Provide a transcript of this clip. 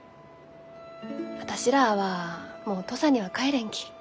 私らあはもう土佐には帰れんき。